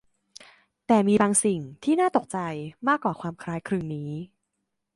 แต่มีบางสิ่งที่น่าตกใจมากกว่าความคล้ายคลึงนี้